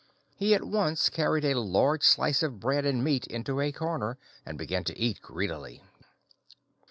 He at once carried a large slice of bread and meat into a corner, and began to eat greedily.